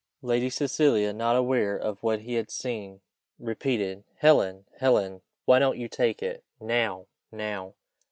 Lady Cecilia, not aware of what he had seen, repeated, "Helen! Helen! why don't you take it? now! now!"